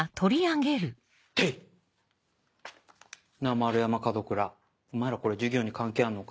丸山門倉お前らこれ授業に関係あんのか？